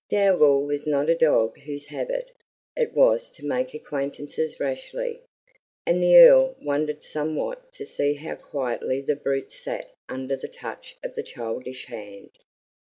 Dougal was not a dog whose habit it was to make acquaintances rashly, and the Earl wondered somewhat to see how quietly the brute sat under the touch of the childish hand.